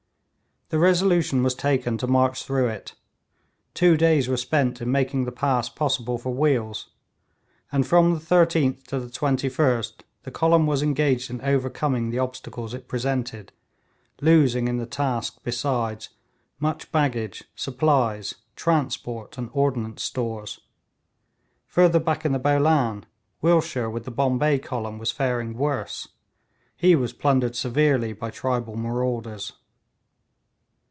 The resolution taken to march through it, two days were spent in making the pass possible for wheels; and from the 13th to the 21st the column was engaged in overcoming the obstacles it presented, losing in the task, besides, much baggage, supplies, transport and ordnance stores. Further back in the Bolan Willshire with the Bombay column was faring worse; he was plundered severely by tribal marauders.